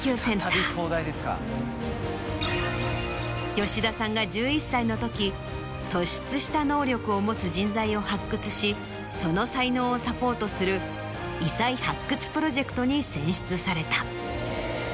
吉田さんが１１歳の時突出した能力を持つ人材を発掘しその才能をサポートする異才発掘プロジェクトに選出された。